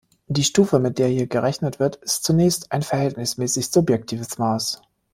Die Stufe, mit der hier gerechnet wird, ist zunächst ein verhältnismäßig subjektives Maß.